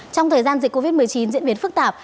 trong thời gian dịch covid một mươi chín diễn biến phức tạp